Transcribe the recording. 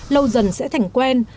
lâu dần sẽ thảnh quen